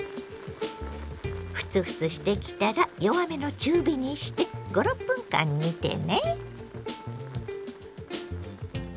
フツフツしてきたら弱めの中火にして５６分間煮てね。